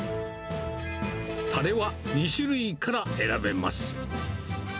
たれは２種類から選べます。